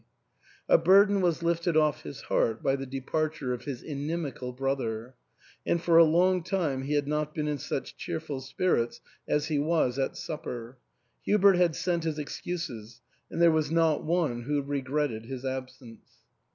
A burden was lifted off his heart by the departure of his inimical brother ; and for a long time he had not been in such cheerful spirits as he was at supper. Hubert had sent his excuses ; and there was not one who re gretted his absence.